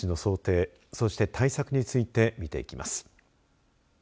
各地の想定、そして対策について見ていきます。